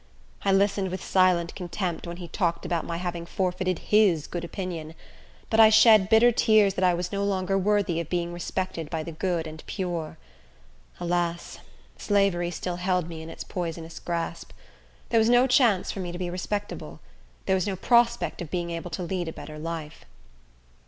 I listened with silent contempt when he talked about my having forfeited his good opinion; but I shed bitter tears that I was no longer worthy of being respected by the good and pure. Alas! slavery still held me in its poisonous grasp. There was no chance for me to be respectable. There was no prospect of being able to lead a better life.